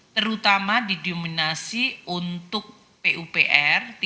terutama didominasi untuk pupr